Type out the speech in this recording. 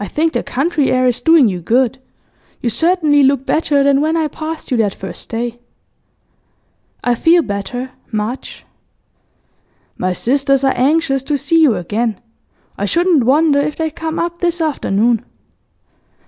I think the country air is doing you good; you certainly look better than when I passed you that first day.' 'I feel better, much.' 'My sisters are anxious to see you again. I shouldn't wonder if they come up this afternoon.